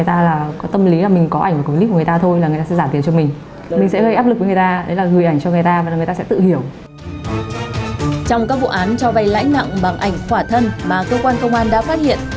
trong các vụ án cho vay lãi nặng bằng ảnh quả thân mà cơ quan công an đã phát hiện